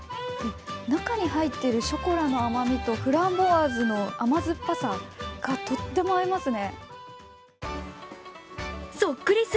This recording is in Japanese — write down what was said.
中に入っているショコラの甘みとフランボワーズの酸っぱさがとっても合いますね。